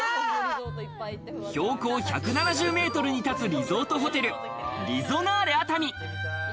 標高１７０メートルに立つリゾートホテル、リゾナーレ熱海。